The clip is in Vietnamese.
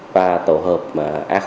và tổ hợp a một